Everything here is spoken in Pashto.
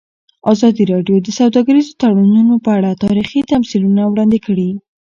ازادي راډیو د سوداګریز تړونونه په اړه تاریخي تمثیلونه وړاندې کړي.